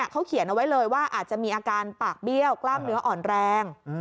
เขาเขียนเอาไว้เลยว่าอาจจะมีอาการปากเบี้ยวกล้ามเนื้ออ่อนแรง